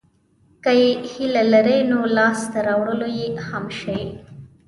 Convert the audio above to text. که یې هیله لرئ نو لاسته راوړلای یې هم شئ.